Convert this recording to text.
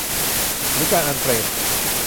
หรือการอันเฟรนด์